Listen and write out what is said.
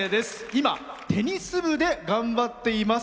今、テニス部で頑張っています。